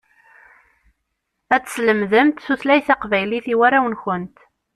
Ad teslemdemt tutlayt taqbaylit i warraw-nkent.